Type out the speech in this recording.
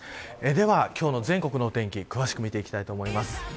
では、今日の全国のお天気を詳しく見ていきたいと思います。